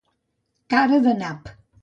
Cara de nap.